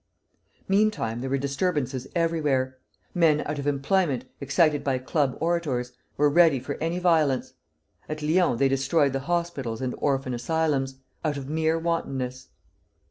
Meantime there were disturbances everywhere. Men out of employment, excited by club orators, were ready for any violence. At Lyons they destroyed the hospitals and orphan asylums, out of mere wantonness.